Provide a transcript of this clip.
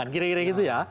kira kira gitu ya